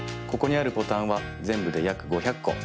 ここにあるボタンはぜんぶでやく５００こ。